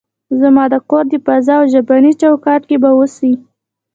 زما د کور د فضا او ژبني چوکاټ کې به اوسئ.